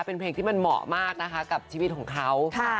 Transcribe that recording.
เป็นเพลงที่มันเหมาะมากนะคะกับชีวิตของเขา